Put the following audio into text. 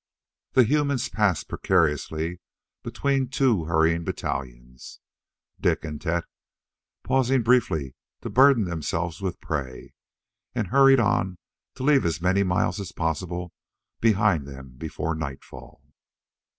The humans passed precariously between two hurrying battalions Dik and Tet pausing briefly to burden themselves with prey and hurried on to leave as many miles as possible behind them before nightfall.